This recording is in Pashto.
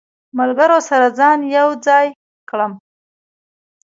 ملګرو سره ځان یو ځای کړم.